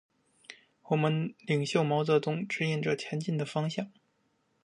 我们领袖毛泽东，指引着前进的方向。